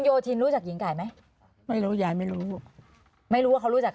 โยธินรู้จักหญิงไก่ไหมไม่รู้ยายไม่รู้ไม่รู้ว่าเขารู้จัก